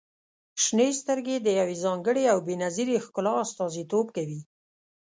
• شنې سترګې د يوې ځانګړې او بې نظیرې ښکلا استازیتوب کوي.